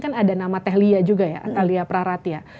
kan ada nama teh lia juga ya teh lia praratia